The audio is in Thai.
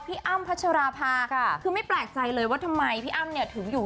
อ้ำพัชราภาค่ะคือไม่แปลกใจเลยว่าทำไมพี่อ้ำเนี่ยถึงอยู่